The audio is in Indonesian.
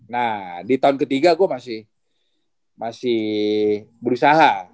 nah di tahun ke tiga gue masih berusaha